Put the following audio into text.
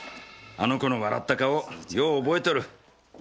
あの子の笑った顔よう覚えとる。